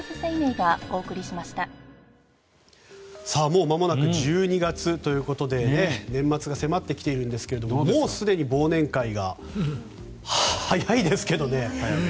もうまもなく１２月ということで年末が迫ってきているんですがもうすでに忘年会が早いですけどね。